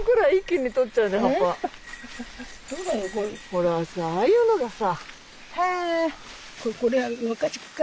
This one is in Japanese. ほらさああいうのがさ。